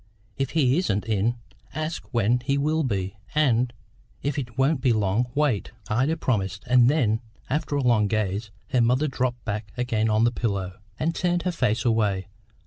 If he isn't in, ask when he will be, and, if it won't be long, wait." Ida promised, and then, after a long gaze, her mother dropped back again on the pillow, and turned her face away.